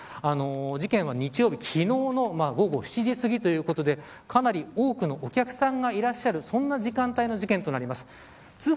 事件は日曜日昨日の午後７時すぎということでかなり多くのお客さんがいらっしゃるそんな時間帯の事件となります。